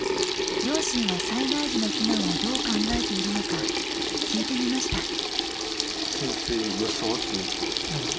両親は災害時の避難をどう考えているのか、聞いてみました。